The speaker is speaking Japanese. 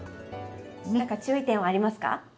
なんか注意点はありますか？